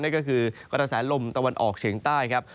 นั่นก็คือกระนาสาหลมตลอดออกเชียงใต้ครับ